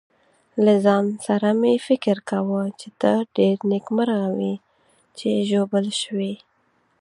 له ځان سره مې فکر کاوه چې ته ډېر نېکمرغه وې چې ژوبل شوې.